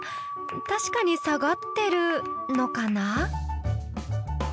確かに下がってるのかな？